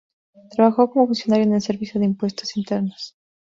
Trabajó como funcionario en el Servicio de Impuestos Internos.